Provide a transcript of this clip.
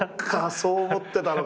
そう思ってたのかと。